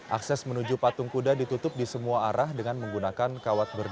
akses menuju patung kuda ditutup di semua arah dengan menggunakan kawat berat